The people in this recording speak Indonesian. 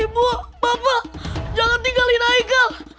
ibu bapak jangan tinggalin iga